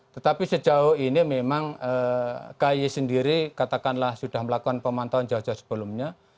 tetapi sejauh ini memang kay sendiri katakanlah sudah melakukan pemantauan jauh jauh sebelumnya